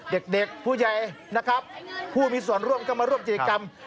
เด็กผู้ใหญ่ผู้มีส่วนร่วมก็มาร่วมจริงกรรม